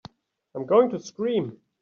I'm going to scream!